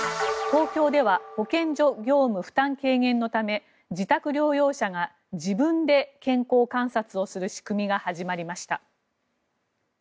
東京では保健所業務負担軽減のため自宅療養者が自分で健康観察をする仕組みが始まりました。